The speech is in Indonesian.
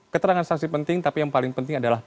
keterangan saksi penting tapi yang paling penting adalah